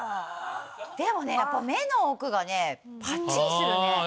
でもねやっぱ目の奥がねぱっちりするね。